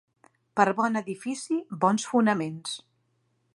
Per bon edifici, bons fonaments.